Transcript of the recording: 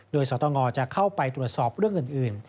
โดยสตงจะเข้าไปตรวจสอบเรื่องอื่น